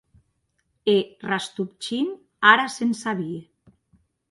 E Rastopchin ara se’n sabie.